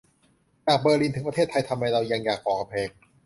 จากเบอร์ลินถึงประเทศไทยทำไมเรายังอยากก่อกำแพง